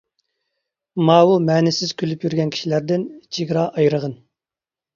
ماۋۇ مەنىسىز كۈلۈپ يۈرگەن كىشىلەردىن چېگرا ئايرىغىن.